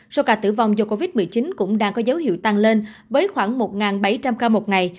số ca tử vong do covid một mươi chín cũng đang có dấu hiệu tăng lên với khoảng một bảy trăm linh ca một ngày